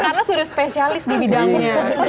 karena sudah spesialis di bidangnya